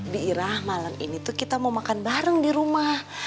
⁇ irah malam ini tuh kita mau makan bareng di rumah